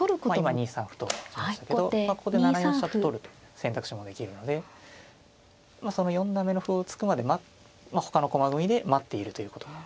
今２三歩と打ちましたけどここで７四飛車と取るという選択肢もできるので四段目の歩を突くまでほかの駒組みで待っているということで。